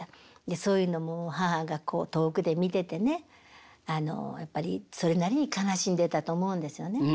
そういうのも母が遠くで見ててねやっぱりそれなりに悲しんでたと思うんですよね。